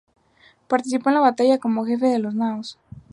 Participó en la batalla como jefe de las naos.